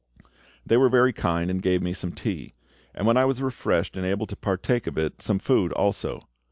They were very kind, and gave me some tea; and when I was refreshed and able to partake of it, some food also.